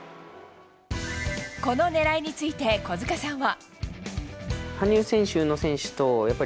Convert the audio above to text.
この狙いについて小塚さんは。